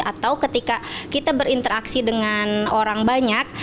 atau ketika kita berinteraksi dengan orang banyak